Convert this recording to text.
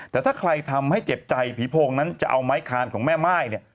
แต่ถ้าใครทำให้เจ็บใจผีโพงนั้นจะเอาไม้คานของแม่ม่ายเนี่ย